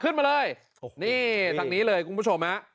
ขึ้นมาเลยนี่ทางนี้เลยคุณผู้ชมฮะ